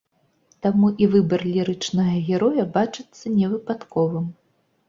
Таму і выбар лірычнага героя бачыцца невыпадковым.